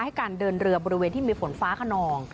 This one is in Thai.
การเดินเรือบริเวณที่มีฝนฟ้าขนอง